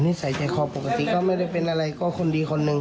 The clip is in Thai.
อ๋อนี่ใส่ใจของปกติก็ไม่ได้เป็นอะไรก็คนดีคนนึง